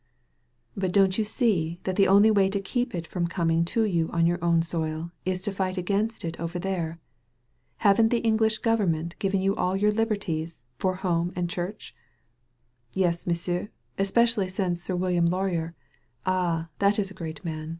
"But don*t you see that the only way to keep it from cominir to you on your own soil is to fight against it over there? Hasn't the English Govern ment given you all your liberties, for home and church?" "Yes, M'sieu', especially since Sir Wilfred Laurier. Ah, that is a great man